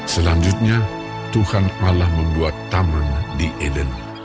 selanjutnya tuhan malah membuat taman di eden